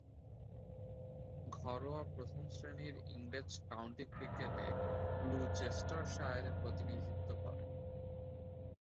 ঘরোয়া প্রথম-শ্রেণীর ইংরেজ কাউন্টি ক্রিকেটে গ্লুচেস্টারশায়ারের প্রতিনিধিত্ব করেন।